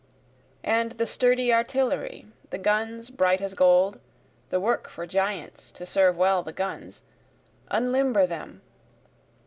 And the sturdy artillery, The guns bright as gold, the work for giants, to serve well the guns, Unlimber them!